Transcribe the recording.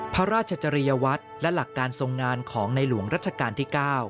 พระราชจริยวัตรและหลักการทรงงานของในหลวงรัชกาลที่๙